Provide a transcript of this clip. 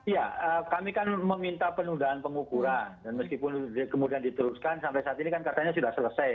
ya kami kan meminta penundaan pengukuran dan meskipun kemudian diteruskan sampai saat ini kan katanya sudah selesai